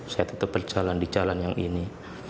saya tetap berjalan di jalan yang ini